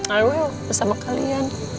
i will bersama kalian